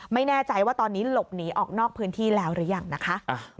ไม่แน่ใจว่าตอนนี้หลบหนีออกนอกพื้นที่แล้วหรือยังนะคะ